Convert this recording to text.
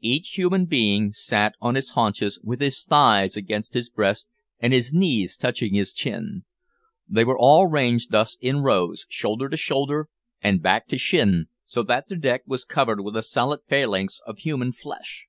Each human being sat on his haunches with his thighs against his breast, and his knees touching his chin. They were all ranged thus in rows, shoulder to shoulder, and back to shin, so that the deck was covered with a solid phalanx of human flesh.